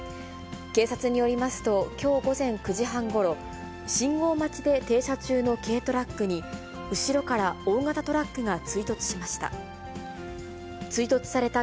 警察によりますと、きょう午前９時半ごろ、信号待ちで停車中の軽トラックに、後ろから大型トラックが追突しました。